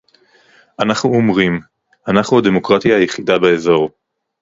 אנחנו אומרים: אנחנו הדמוקרטיה היחידה באזור